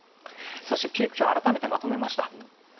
そして、ピーク表を改めてまとめました。